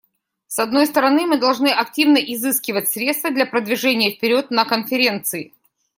С одной стороны, мы должны активно изыскивать средства для продвижения вперед на Конференции.